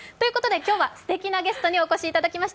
今日はすてきなゲストにお越しいただきました。